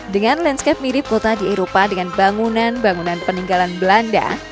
dengan landscape mirip kota di eropa dengan bangunan bangunan peninggalan belanda